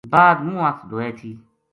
بعد منہ ہتھ دھوئے تھی